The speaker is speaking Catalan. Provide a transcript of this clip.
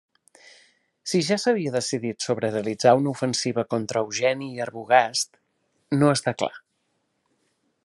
Si ja s'havia decidit sobre realitzar una ofensiva contra Eugeni i Arbogast no està clar.